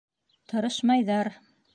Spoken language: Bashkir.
Тырышмайҙар.